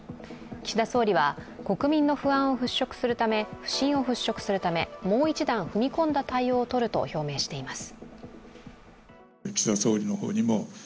岸田総理は、国民の不信を払拭するためもう一段踏み込んだ対応をとると表明しています